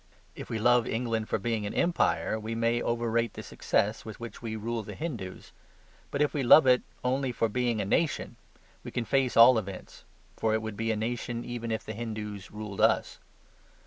If we love England for being an empire, we may overrate the success with which we rule the Hindoos. But if we love it only for being a nation, we can face all events: for it would be a nation even if the Hindoos ruled us.